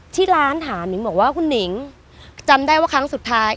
ที่ร้านถามนิงบอกว่าคุณหนิงจำได้ว่าครั้งสุดท้าย